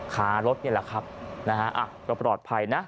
ขารถนี่แหละครับปลอดภัยนะ